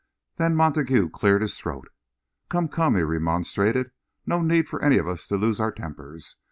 Then Montague cleared his throat. "Come, come," he remonstrated, "no need for any of us to lose our tempers.